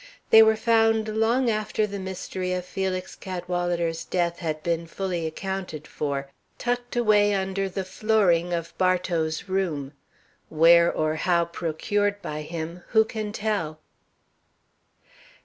They were found long after the mystery of Felix Cadwalader's death had been fully accounted for, tucked away under the flooring of Bartow's room. Where or how procured by him, who can tell?